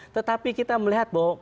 tetapi kita melihat bahwa